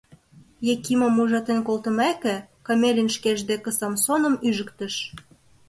Якимым ужатен колтымеке, Комелин шкеж деке Самсоным ӱжыктыш.